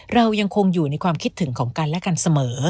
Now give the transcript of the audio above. เรายังคงอยู่ในความคิดถึงของกันและกันเสมอ